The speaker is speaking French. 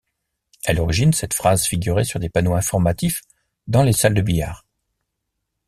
À l'origine, cette phrase figurait sur des panneaux informatifs dans les salles de billard.